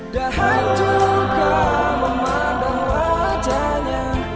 dan juga memandang wajahnya